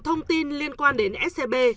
thông tin liên quan đến scb